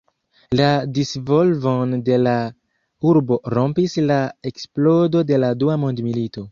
La disvolvon de la urbo rompis la eksplodo de la Dua Mondmilito.